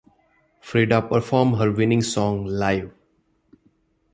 Frida performed her winning song live.